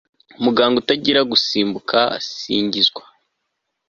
muganga utagira gisumbwa, singizwa